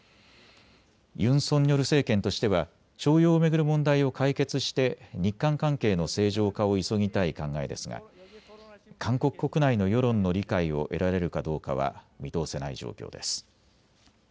ユン・ソンニョル政権としては徴用を巡る問題を解決して日韓関係の正常化を急ぎたい考えですが韓国国内の世論の理解を得られるかどうかは見通せない状況です。